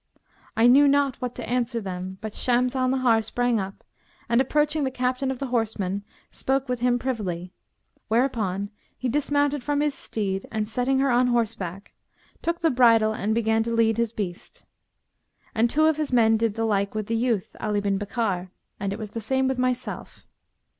I knew not what to answer them, but Shams al Nahar sprang up and approaching the Captain of the horsemen spoke with him privily, whereupon he dismounted from his steed and, setting her on horse back, took the bridle and began to lead his beast. And two of his men did the like with the youth, Ali bin Bakkar, and it was the same with myself.